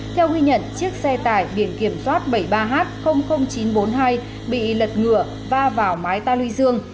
theo ghi nhận chiếc xe tải biển kiểm soát bảy mươi ba h chín trăm bốn mươi hai bị lật ngựa va vào mái ta luy dương